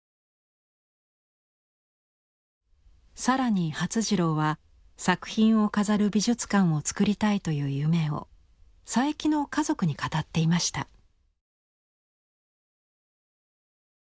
更に發次郎は作品を飾る美術館をつくりたいという夢を佐伯の家族に語っていました。